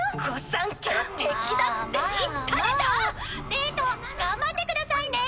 デート頑張ってくださいね。